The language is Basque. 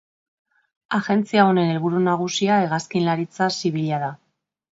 Agentzia honen helburu nagusia hegazkinlaritza zibila da.